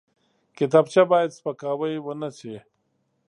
کتابچه باید سپکاوی ونه شي